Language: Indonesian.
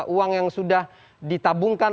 uang yang sudah ditabungkan